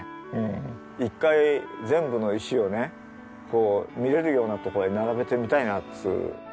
一回全部の石をねこう見られるような所に並べてみたいなって。